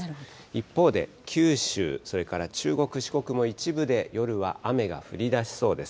一方で九州、それから中国、四国の一部で夜は雨が降りだしそうです。